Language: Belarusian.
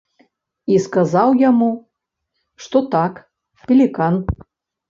І сказаў яму, што так, пелікан.